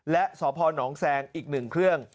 และสพนแซงอีก๑เครื่อง